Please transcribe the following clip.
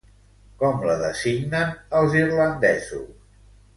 Com la designen els irlandesos?